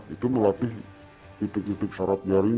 itu melatih titik titik sarap jari